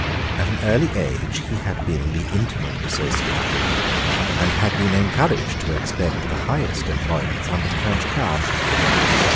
At an early age he had been the intimate associate of Lewis, and had been encouraged to expect the highest employments under the French crown.